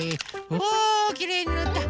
うわきれいになった。